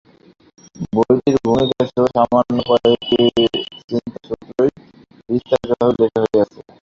বইটির ভূমিকাসহ সামান্য কয়েকটি চিন্তাসূত্রই বিস্তারিতভাবে লেখা হইয়াছিল।